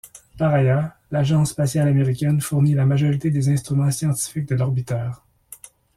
Par ailleurs, l'agence spatiale américaine fournit la majorité des instruments scientifiques de l'orbiteur.